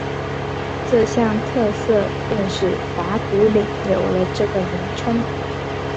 这项特色便使打鼓岭有了这个名称。